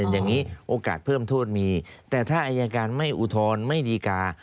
อย่างนี้โอกาสเพิ่มโทษมีแต่ถ้าอายการไม่อุทธรณ์ไม่ดีการ์